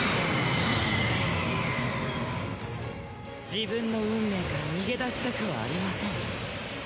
自分の運命から逃げ出したくはありません。